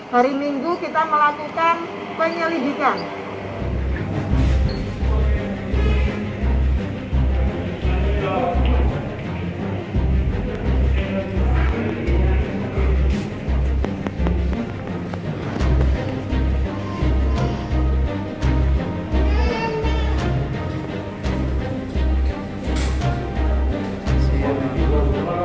hari minggu kita melakukan penyelidikan